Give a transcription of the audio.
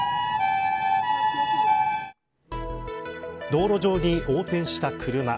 道路上に横転した車。